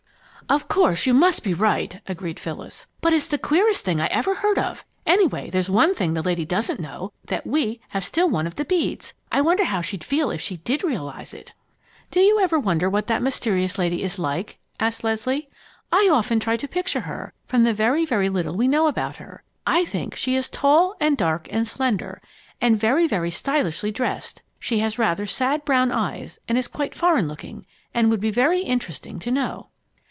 "Of course you must be right," agreed Phyllis. "But it's the queerest thing I ever heard of! Anyway, there's one thing the lady doesn't know that we have still one of the beads! I wonder how she'd feel if she did realize it?" "Do you ever wonder what that mysterious lady is like?" asked Leslie. "I often try to picture her from the very, very little we know about her. I think she is tall and dark and slender, and very, very stylishly dressed. She has rather sad brown eyes and is quite foreign looking and would be very interesting to know."